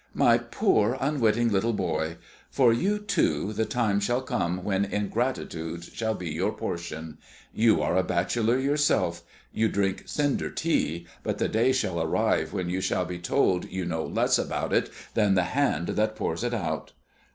"My poor, unwitting little boy! For you, too, the time shall come when ingratitude shall be your portion. You are a bachelor yourself you drink cinder tea, but the day shall arrive when you shall be told you know less about it than the hand that pours it out.